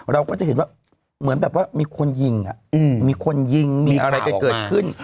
เราก็จะเห็นว่าเหมือนแบบว่ามีคนยิงมีคนยิงมีอะไรกันเกิดขึ้น